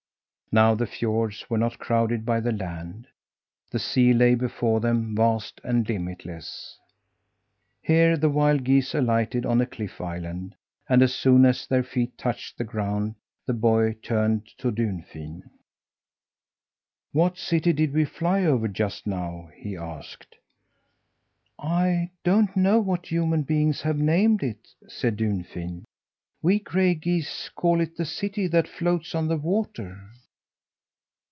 Now the fiords were not crowded by the land. The sea lay before them, vast and limitless. Here the wild geese alighted on a cliff island, and as soon as their feet touched the ground the boy turned to Dunfin. "What city did we fly over just now?" he asked. "I don't know what human beings have named it," said Dunfin. "We gray geese call it the 'City that Floats on the Water'."